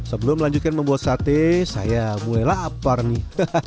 sebelum melanjutkan membuat sate saya mulai lapar nih